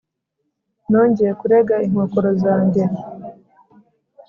Nongeye kurega inkokora zanjye